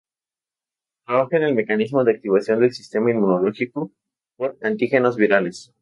Trabajó en el mecanismo de activación del sistema inmunológico por antígenos virales.